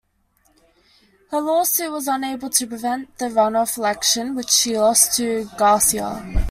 Her lawsuit was unable to prevent the runoff election, which she lost to Garcia.